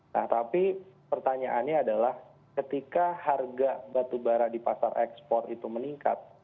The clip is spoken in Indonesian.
nah tapi pertanyaannya adalah ketika harga batubara di pasar ekspor itu meningkat